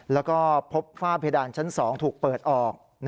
แล้วก็พบฝ้าเพดานชั้น๒ถูกเปิดออก